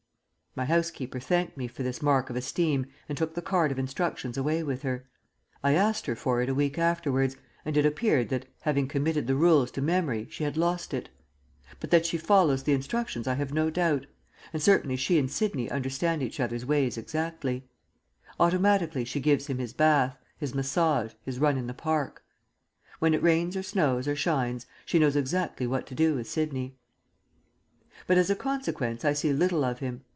My housekeeper thanked me for this mark of esteem and took the card of instructions away with her. I asked her for it a week afterwards and it appeared that, having committed the rules to memory, she had lost it. But that she follows the instructions I have no doubt; and certainly she and Sidney understand each other's ways exactly. Automatically she gives him his bath, his massage, his run in the park. When it rains or snows or shines, she knows exactly what to do with Sidney. But as a consequence I see little of him.